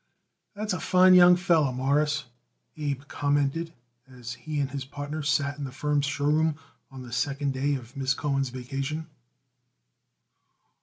"That's a fine young feller, Mawruss," Abe commented as he and his partner sat in the firm's show room on the second day of Miss Cohen's vacation.